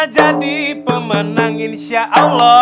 jadi pemenang insya allah